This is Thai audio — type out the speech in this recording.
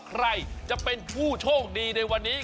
ใครจะเป็นผู้โชคดีในวันนี้